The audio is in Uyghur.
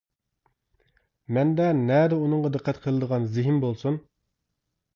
مەندە نەدە ئۇنىڭغا دىققەت قىلىدىغان زېھىن بولسۇن!